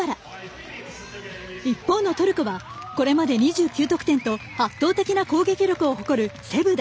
一方のトルコはこれまで２９得点と圧倒的な攻撃力を誇るセブダ。